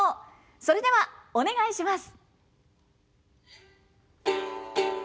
それではお願いします。